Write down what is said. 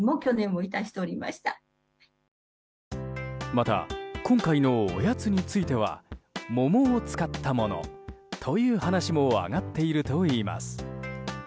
また今回のおやつについては桃を使ったものという話も上がっているといいます。